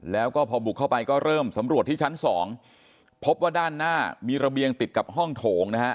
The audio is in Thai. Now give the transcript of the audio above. แล้วก็พอบุกเข้าไปก็เริ่มสำรวจที่ชั้นสองพบว่าด้านหน้ามีระเบียงติดกับห้องโถงนะฮะ